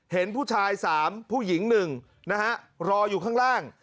เห็นผู้ชาย๓ผู้หญิง๑นะฮะรออยู่ข้างล่าง